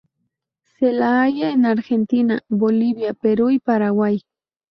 Se la halla en Argentina, Bolivia, Peru y Paraguay.